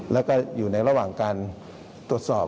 แล้วก็อยู่ในระหว่างการตรวจสอบ